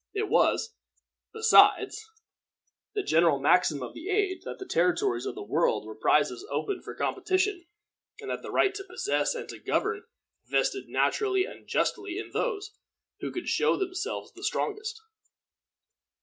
It was, besides, the general maxim of the age, that the territories of the world were prizes open for competition, and that the right to possess and to govern vested naturally and justly in those who could show themselves the strongest.